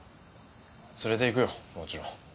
連れていくよもちろん。